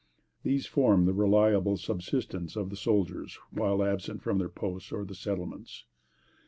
These form the reliable subsistence of the soldiers while absent from their posts or the settlements.